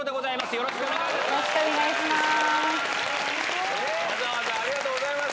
よろしくお願いします。